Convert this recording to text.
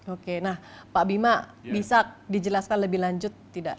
oke nah pak bima bisa dijelaskan lebih lanjut tidak